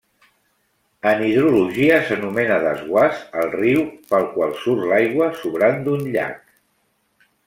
En hidrologia s'anomena desguàs al riu pel qual surt l'aigua sobrant d'un llac.